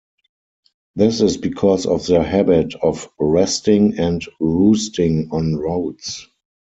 This is because of their habit of resting and roosting on roads.